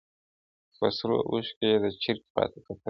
• په سرو اوښکو یې د چرګ خواته کتله -